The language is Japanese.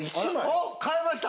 おっ変えました！